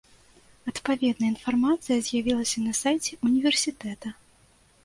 Адпаведная інфармацыя з'явілася на сайце ўніверсітэта.